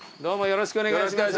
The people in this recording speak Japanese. よろしくお願いします。